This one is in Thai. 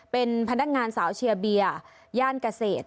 เป็นพนักงานสาวเชียร์เบียร์ย่านเกษตร